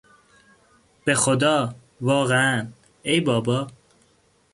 به خدا!، واقعا!، ای بابا!